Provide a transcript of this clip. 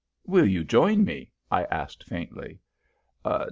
"Will you join me?" I asked, faintly.